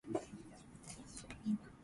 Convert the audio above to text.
事業者による各戸へのポスティング